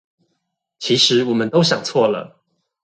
其實我們都想錯了！